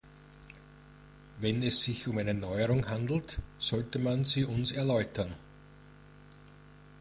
Wenn es sich um eine Neuerung handelt, sollte man sie uns erläutern.